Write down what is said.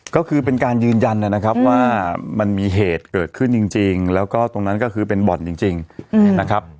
ก็คือเป็นการยืนยันนะครับว่ามันมีเหตุเกิดขึ้นจริงแล้วก็ตรงนั้นก็คือเป็นบ่อนจริงนะครับ